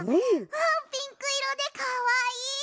ピンクいろでかわいい！